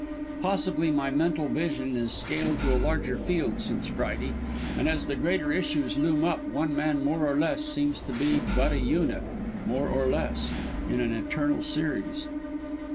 Possibly my mental vision is scaled to a larger field since Friday, and as the greater issues loom up one man more or less seems to be but a unit more or less in an eternal series.